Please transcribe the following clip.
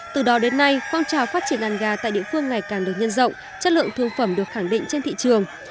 từ đó đến nay phong trào phát triển đàn gà tại địa phương ngày càng được nhân rộng chất lượng thương phẩm được khẳng định trên thị trường